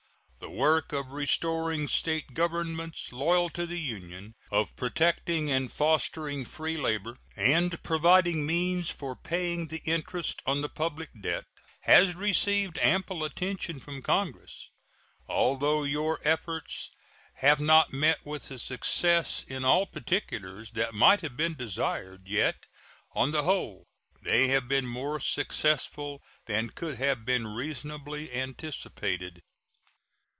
The work of restoring State governments loyal to the Union, of protecting and fostering free labor, and providing means for paying the interest on the public debt has received ample attention from Congress. Although your efforts have not met with the success in all particulars that might have been desired, yet on the whole they have been more successful than could have been reasonably anticipated.